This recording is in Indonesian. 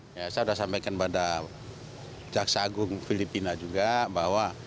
saya sudah sampaikan pada jaksa agung filipina juga bahwa